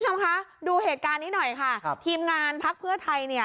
คุณผู้ชมคะดูเหตุการณ์นี้หน่อยค่ะครับทีมงานพักเพื่อไทยเนี่ย